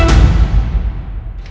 aku harus ke sana